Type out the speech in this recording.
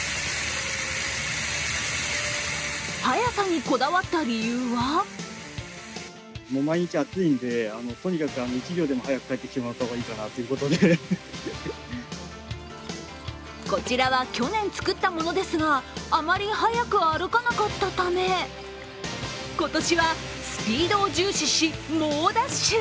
速さにこだわった理由はこちらは去年作ったものですがあまり速く歩かなかったため今年はスピードを重視し、猛ダッシュ。